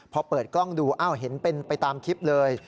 พอเปิดกล้องดูเห็นไปตามคลิปเลย